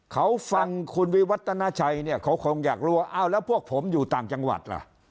เขาฟังคุณวิวัตนาชัยเนี่ยเขาคงอยากรู้ว่าอ้าวแล้วพวกผมอยู่ต่างจังหวัดล่ะ